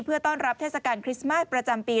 เพื่อต้อนรับเทศกาลคริสต์มาสประจำปี